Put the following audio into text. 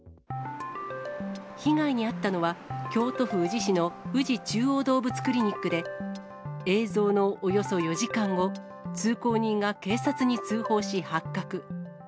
被害に遭ったのは、京都府宇治市の宇治中央どうぶつクリニックで、映像のおよそ４時間後、通行人が警察に通報し、発覚。